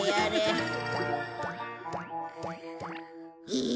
いい？